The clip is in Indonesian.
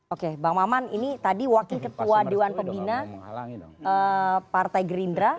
oke bang maman ini tadi wakil ketua dewan pembina partai gerindra